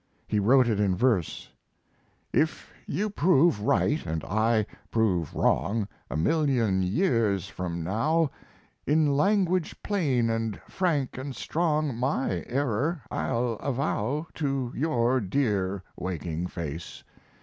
He wrote it in verse: If you prove right and I prove wrong, A million years from now, In language plain and frank and strong My error I'll avow To your dear waking face.